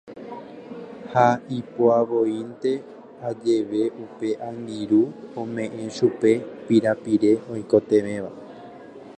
Ha ipo'avoínte ajeve upe angirũ ome'ẽ chupe pirapire oikotevẽva